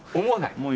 思わない？